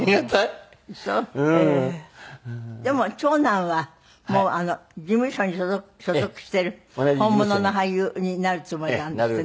でも長男はもう事務所に所属してる本物の俳優になるつもりなんですってね。